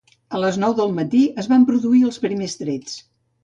A les nou del matí es van produir els primers trets.